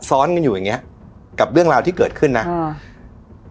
ซ้อนกันอยู่อย่างเงี้ยกับเรื่องราวที่เกิดขึ้นนะอ่า